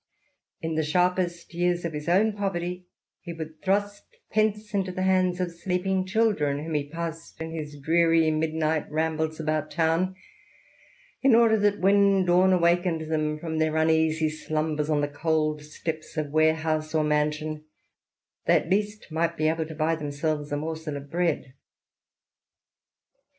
In the sliarpest years of his own poverty, he would thrust pence into the hands of sleeping children whom he passed in his dreary midnight rambles about town, in order that when dawn awakened them from their uneasy slumbers on the cold steps of warehouse or mansion, tbey at least might be able to buy themselves a morsel of bread.